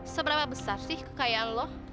seberapa besar sih kekayaan loh